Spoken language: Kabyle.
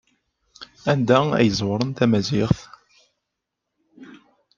Anda ay zerwen tamaziɣt?